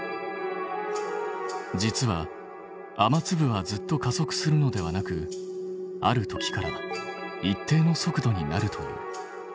実は雨粒はずっと加速するのではなくある時から一定の速度になるという。